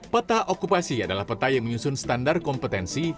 peta okupasi adalah peta yang menyusun standar kompetensi